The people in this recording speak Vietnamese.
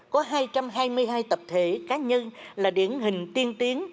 có hai trăm hai mươi hai tập thể cá nhân là điển hình tiên tiến